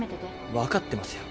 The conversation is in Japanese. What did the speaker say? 分かってますよ。